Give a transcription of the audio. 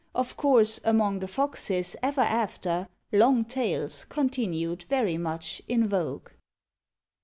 Of course, among the Foxes, ever after, Long tails continued very much in vogue.